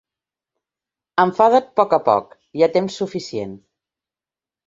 Enfada't a poc a poc; hi ha temps suficient.